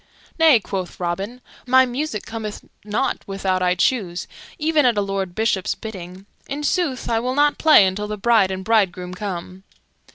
"Nay," quoth Robin, "my music cometh not without I choose, even at a lord bishop's bidding. In sooth, I will not play until the bride and bridegroom come."